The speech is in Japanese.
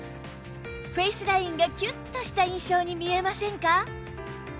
フェイスラインがキュッとした印象に見えませんか？